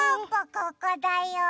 ここだよ。